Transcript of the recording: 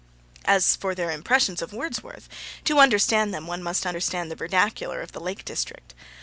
As for their impressions of Wordsworth, to understand them one must understand the vernacular of the Lake District.